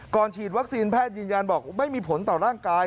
ฉีดวัคซีนแพทย์ยืนยันบอกไม่มีผลต่อร่างกาย